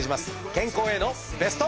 健康へのベスト。